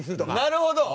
なるほど！